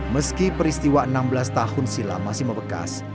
meski peristiwa enam belas tahun silam masih membekas